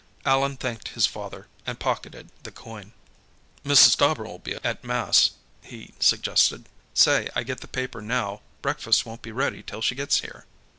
Allan thanked his father and pocketed the coin. "Mrs. Stauber'll still be at Mass," he suggested. "Say I get the paper now; breakfast won't be ready till she gets here."